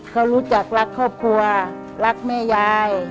เขารู้จักรักครอบครัวรักแม่ยาย